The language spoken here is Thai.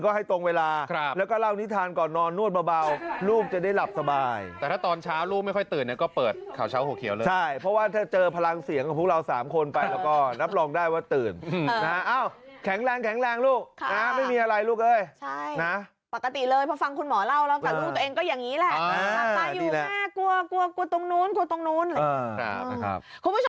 อ่าดีแล้วตายอยู่อ่ากลัวกลัวกลัวตรงนู้นกลัวตรงนู้นเออครับครับ